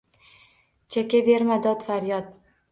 Chekaverma dod-faryod.